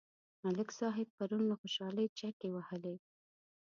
ملک صاحب پرون له خوشحالۍ چکې وهلې.